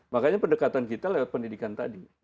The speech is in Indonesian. makanya pendekatan kita lewat pendidikan tadi